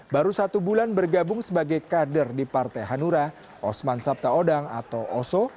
baru satu bulan bergabung sebagai kader di partai hanura osman sabtaodang atau oso